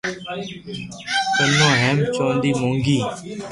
ڪنو ھيم چوندي مونگي